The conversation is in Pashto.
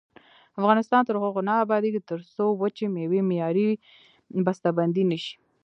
افغانستان تر هغو نه ابادیږي، ترڅو وچې میوې معیاري بسته بندي نشي.